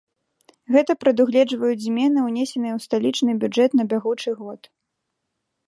Гэта прадугледжваюць змены, унесеныя ў сталічны бюджэт на бягучы год.